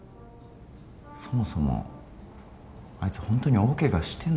そもそもあいつホントに大ケガしてんのかよ？